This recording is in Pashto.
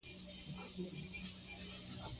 د جامو ګنډلو کوچني مرکزونه ډیر ګټور دي.